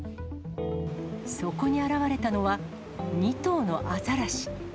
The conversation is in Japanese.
そこに現れたのは、２頭のアザラシ。